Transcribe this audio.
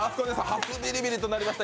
初ビリビリとなりました